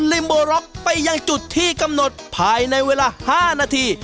ริมโบร็อกไปยังจุดที่กำหนดภายในเวลา๕นาที